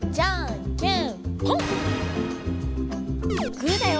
グーだよ！